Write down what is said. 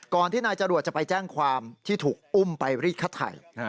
ที่นายจรวดจะไปแจ้งความที่ถูกอุ้มไปรีดคัดไทย